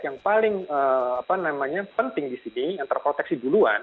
yang paling penting di sini yang terproteksi duluan